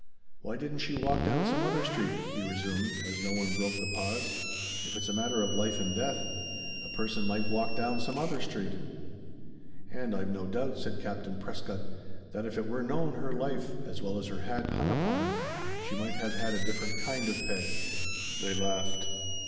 "Why didn't she walk down some other street," he resumed, as no one broke the pause. "If it's a matter of life and death a person might walk down some other street!" "And I've no doubt," said Captain Prescott, "that if it were known her life, as well as her hat, hung upon it she might have had a different kind of peg." They laughed.